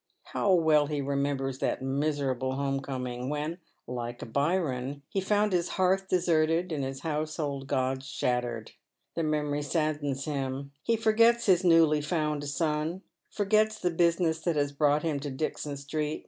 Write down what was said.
How well he remembers 320 Dead Men's Shoes. that miserable home coming, when, like Byron, he found ha hearth deserted and his household gods shattered. The memory saddens him. He forgets his newly found son — forgets the business that has brought him to Dixon Street.